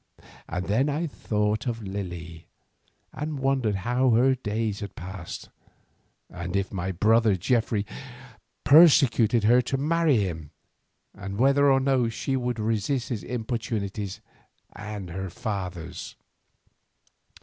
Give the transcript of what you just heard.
And then I thought of Lily and wondered how her days passed, and if my brother Geoffrey persecuted her to marry him, and whether or no she would resist his importunities and her father's.